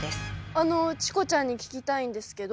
あのチコちゃんに聞きたいんですけど。